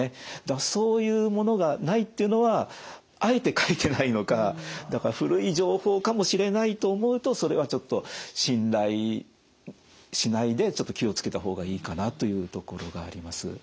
そういうものがないっていうのはあえて書いてないのかだから古い情報かもしれないと思うとそれはちょっと信頼しないでちょっと気を付けた方がいいかなというところがあります。